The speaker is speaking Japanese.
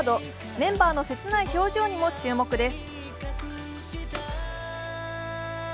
メンバーの切ない表情にも注目です。